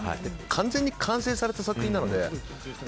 完全に完成された作品なので。